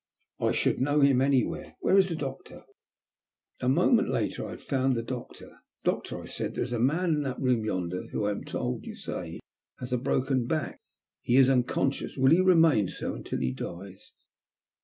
"I should know him any where. Where is the doctor ?" A moment lator I had found the doctor. " Doctor," I said, " there is a man in that room yonder whom, I am told, you say has a broken back, lie is unconscious. Will he remain so until he dies